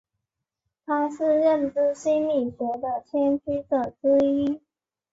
他是认知心理学的先驱者之一。